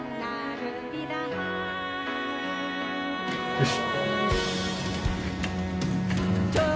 よし。